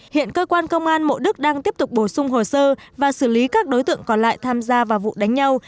hiện cơ quan công an mộ đức đang tiếp tục bổ sung hồ sơ và xử lý các đối tượng còn lại tham gia vào vụ đánh nhau